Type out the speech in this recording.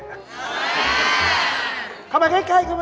เข้ามาใกล้